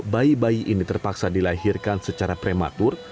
bayi bayi ini terpaksa dilahirkan secara prematur